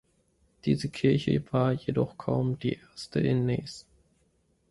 Diese Kirche war jedoch kaum die erste in Nes.